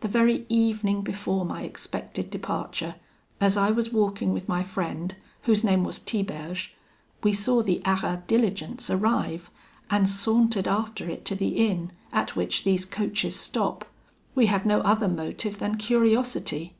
"The very evening before my expected departure, as I was walking with my friend, whose name was Tiberge, we saw the Arras diligence arrive, and sauntered after it to the inn, at which these coaches stop. We had no other motive than curiosity.